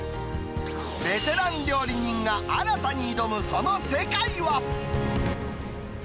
ベテラン料理人が新たに挑むその世界は。